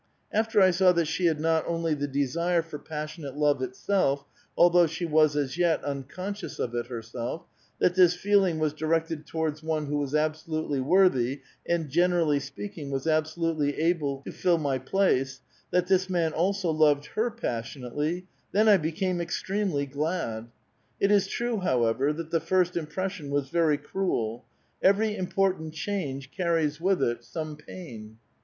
After I saw that she had not only the desire for passionate love itself, although she was, as yet, unconscious of it herself ; that this feeling was directed towards one who was absolutely worthy, and gen erally speaking, was absolutely able to fill my place ; that this man also loved her passionately, — then I became extremely glad. It is true, however, that the first impres sion was very cruel ; every important change carries with it 826 A VITAL QUESTION. m some pain.